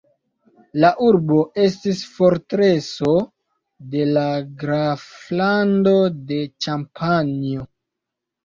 La urbo estis fortreso de la graflando de Ĉampanjo.